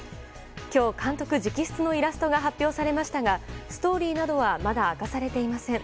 今日、監督直筆のイラストが発表されましたがストーリーなどはまだ明かされていません。